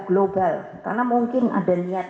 global karena mungkin ada niat